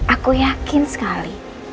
aku yakin sekali